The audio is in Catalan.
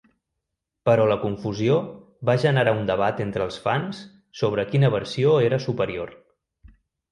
Però la confusió va generar un debat entre els fans sobre quina versió era superior.